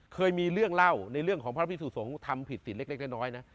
เคยมีเรื่องเล่าในเรื่องของพระสูงทำผิดศีลเล็กน้อย